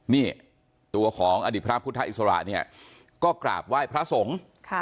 นี่ตัวของอดิภาพพุทธอิสระก็กราบไหว้พระสงฆ์